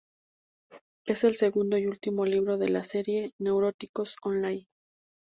Es el segundo y último libro de la serie "Neuróticos on line".